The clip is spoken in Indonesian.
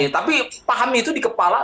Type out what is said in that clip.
tapi paham itu di kepala